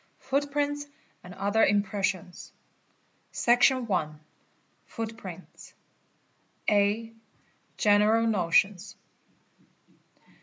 FOOTPRINTS AND OTHER IMPRESSIONS. Section i.—Footprints. | ee ee ee A. General notions.